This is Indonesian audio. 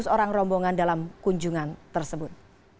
lima ratus orang rombongan dalam kunjungan tersebut